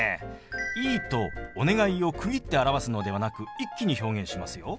「いい」と「お願い」を区切って表すのではなく一気に表現しますよ。